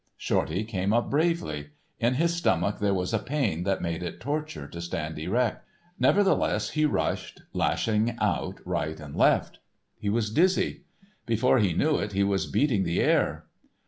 _" Shorty came up bravely. In his stomach there was a pain that made it torture to stand erect. Nevertheless he rushed, lashing out right and left. He was dizzy; before he knew it he was beating the air.